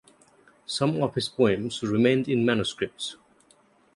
Some of his poems remained in manuscripts.